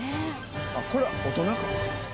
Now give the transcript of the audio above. あっこれ大人か。